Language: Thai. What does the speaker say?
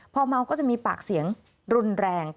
พอเมาก็จะมีปากเสียงรุนแรง